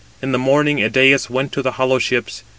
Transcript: In the morning Idæus went to the hollow ships.